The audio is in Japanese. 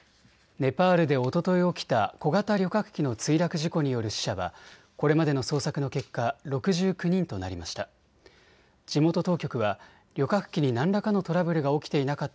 ネパールでおととい起きた小型旅客機の墜落事故による死者はこれまでの捜索の結果６９人となりました。